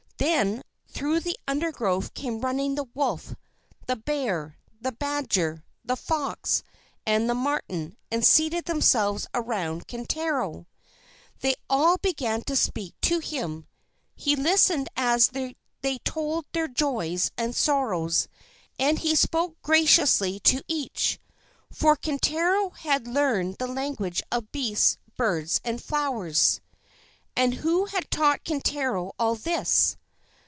Then through the undergrowth came running the wolf, the bear, the badger, the fox, and the martin, and seated themselves around Kintaro. They all began to speak to him. He listened as they told their joys and sorrows, and he spoke graciously to each. For Kintaro had learned the languages of beasts, birds, and flowers. And who had taught Kintaro all this?